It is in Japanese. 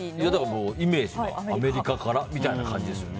イメージでアメリカからって感じですよね。